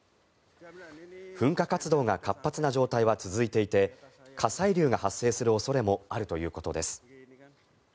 噴火活動が活発な状態は続いていて火砕流が発生する恐れもあるということです。